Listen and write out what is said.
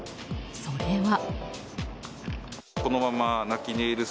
それは。